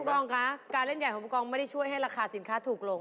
กองคะการเล่นใหญ่ของผู้กองไม่ได้ช่วยให้ราคาสินค้าถูกลง